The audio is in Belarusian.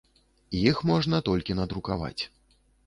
Іх можна толькі надрукаваць.